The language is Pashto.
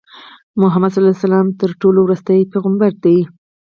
محمدﷺ تر ټولو ورستی پیغمبر دی.